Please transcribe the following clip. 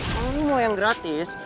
kalo lu mau yang gratis